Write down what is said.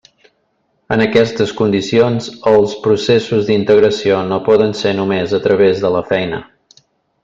En aquestes condicions, els processos d'integració no poden ser només a través de la feina.